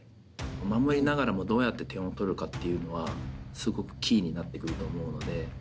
守りながらもどうやって点を取るかっていうのはすごくキーになってくると思うので。